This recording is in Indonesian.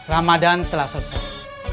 ramadan telah selesai